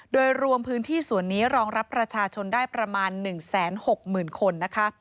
โดยรวมพื้นที่ส่วนนี้รองรับประชาชนได้ประมาณ๑๖๐๐๐คนนะคะ